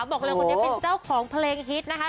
บอกเลยคนนี้เป็นเจ้าของเพลงฮิตนะคะ